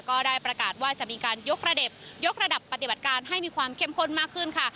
ก็ได้ประกาศว่าจะมีการยกระดับยกระดับปฏิบัติการให้มีความเข้มข้นมากขึ้นค่ะ